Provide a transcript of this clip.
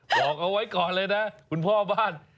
บอกเอาไว้ก่อนเลยนะคุณพ่อบ้าน